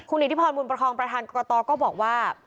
อิทธิพรบุญประคองประธานกรกตก็บอกว่า